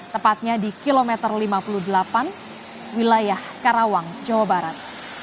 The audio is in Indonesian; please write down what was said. tepatnya di kilometer lima puluh delapan wilayah karawang jawa barat